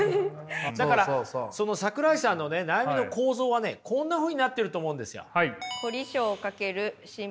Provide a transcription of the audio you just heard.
だからその桜井さんの悩みの構造はねこんなふうになってると思うんですよ。